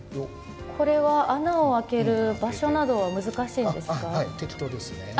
穴を明ける場所などは難しいんですか？